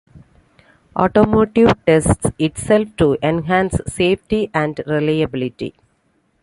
Automotive tests itself to enhance safety and reliability.